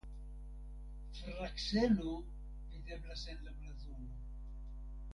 Frakseno videblas en la blazono.